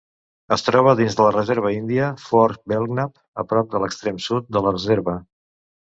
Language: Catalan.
Es troba dins de la reserva índia Fort Belknap, a prop de l'extrem sud de la reserva.